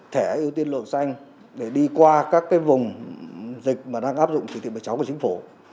thẻ ưu tiên luật xanh để đi qua các vùng dịch đang áp dụng thủy thị bài chóng của chính phủ